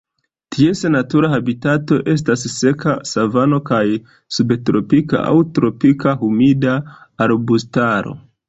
Ties natura habitato estas seka savano kaj subtropika aŭ tropika humida arbustaro.